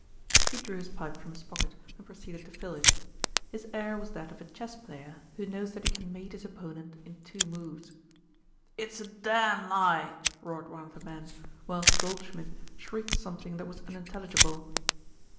He drew his pipe from his pocket and proceeded to fill it. His air was that of a chess player who knows that he can mate his opponent in two moves. "It's a damned lie!" roared one of the men, whilst Goldschmidt shrieked something that was unintelligible.